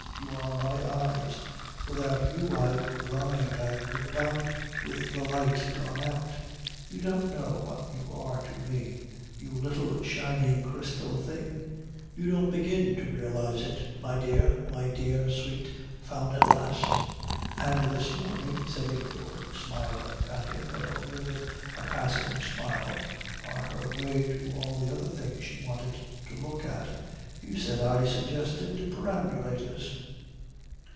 You are my eyes. Without you I go blind, I grope about with the light gone out. You don't know what you are to me, you little shining crystal thing you don't begin to realise it, my dear, my dear sweet Found at Last." "And this morning," said Ingeborg, smiling at him, but only with a passing smile on her way to all the other things she wanted to look at, "you said I suggested perambulators."